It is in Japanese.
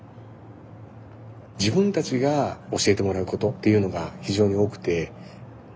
自分たちが教えてもらうことっていうのが非常に多くて。